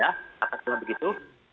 atau sebagainya begitu